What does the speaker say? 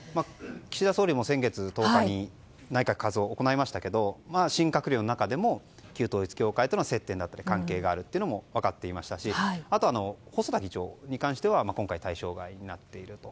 岸田総理も先月１０日に内閣改造を行いましたが新閣僚の中でも旧統一教会との接点であったり関係があるというのも分かっていましたしあとは細田議長に関しては今回、対象外になっていると。